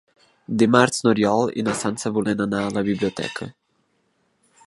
Dimarts n'Oriol i na Sança volen anar a la biblioteca.